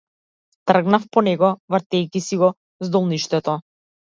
Тргнав по него, вртејќи си го здолништето.